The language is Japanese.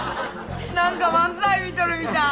何か漫才見とるみたい。